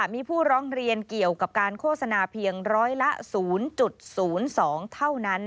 มีผู้ร้องเรียนเกี่ยวกับการโฆษณาเพียงร้อยละ๐๐๒เท่านั้น